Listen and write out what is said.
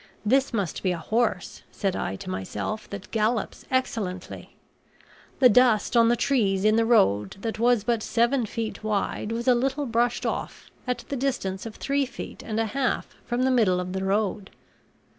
This must be a horse, said I to myself, that gallops excellently. The dust on the trees in the road that was but seven feet wide was a little brushed off, at the distance of three feet and a half from the middle of the road.